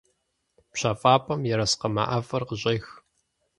ПщэфӀапӀэм ерыскъымэ ӀэфӀыр къыщӀех…